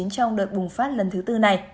trong đợt bùng phát lần thứ tư này